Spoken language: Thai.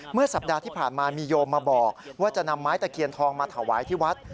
เมื่อสัปดาห์ที่ผ่านมามีโยมมาบอกว่าจะนำไม้ตะเคียนทองมาถวายที่วัด